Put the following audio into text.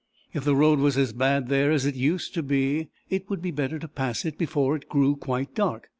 If the road was as bad there as it used to be, it would be better to pass it before it grew quite dark.